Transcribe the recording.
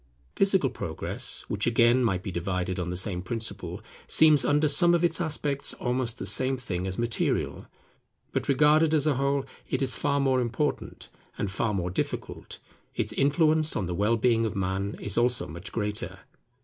Physical progress, which again might be divided on the same principle, seems under some of its aspects almost the same thing as material. But regarded as a whole it is far more important and far more difficult: its influence on the well being of Man is also much greater.